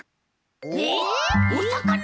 えっおさかな？